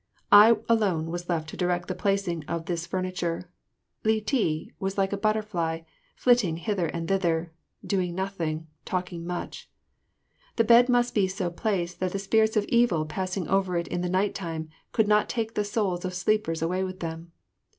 I alone was left to direct the placing of this furniture. Li ti was like a butterfly, flitting hither and thither, doing nothing, talking much. The bed must be so placed that the Spirits of Evil passing over it in the night time could not take the souls of sleepers away with them.